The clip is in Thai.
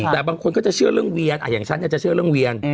แต่บางคนก็จะเชื่อเรื่องเวียนอย่างฉันจะเชื่อเรื่องเวียน